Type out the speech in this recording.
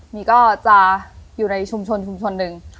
มีก็จะอยู่ในชุมชนชุมชนหนึ่ง